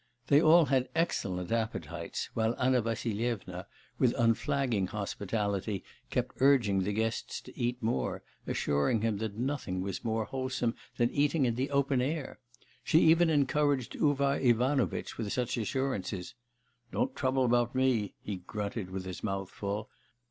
They all had excellent appetites, while Anna Vassilyevna, with unflagging hospitality, kept urging the guests to eat more, assuring them that nothing was more wholesome than eating in the open air. She even encouraged Uvar Ivanovitch with such assurances. 'Don't trouble about me!' he grunted with his mouth full.